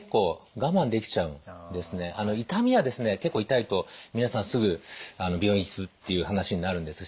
痛みはですね結構痛いと皆さんすぐ病院行くっていう話になるんです。